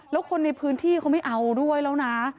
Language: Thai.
แล้วคนในพื้นที่เขาไม่เอาด้วยแล้วนะ